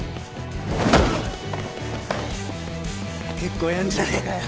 結構やんじゃねえかよ。